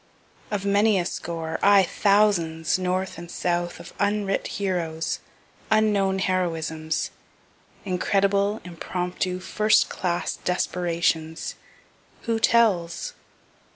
Of many a score aye, thousands, north and south, of unwrit heroes, unknown heroisms, incredible, impromptu, first class desperations who tells?